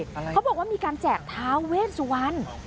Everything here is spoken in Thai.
เขาบอกว่ามีการแจกท้าเวสวรรณ